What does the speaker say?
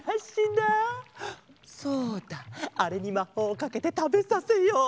あれにまほうをかけてたべさせよう。